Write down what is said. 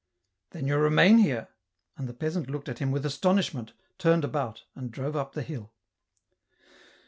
" Then you remain here ?" and the peasant looked at him with astonishment, turned about, and drove up the hill.